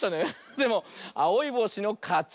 でもあおいぼうしのかち。